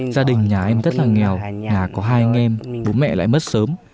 gia đình nhà em rất là nghèo nhà có hai anh em bố mẹ lại mất sớm